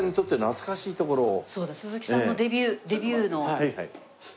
そうだ鈴木さんのデビューの。